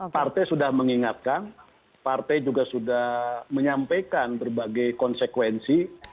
partai sudah mengingatkan partai juga sudah menyampaikan berbagai konsekuensi